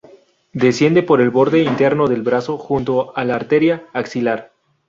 Desciende por el borde interno del brazo junto a la arteria axilar.